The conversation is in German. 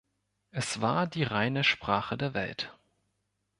Es war die reine Sprache der Welt.